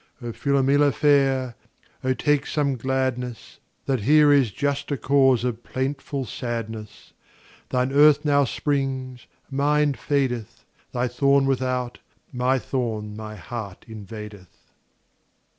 O Philomela fair, O take some gladness That here is juster cause of plaintful sadness! 10 Thine earth now springs, mine fadeth; Thy thorn without, my thorn my heart invadeth.